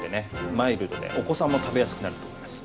マイルドで、お子さんも食べやすくなると思います。